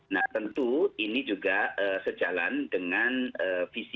nah tentu ini juga sejalan dengan visi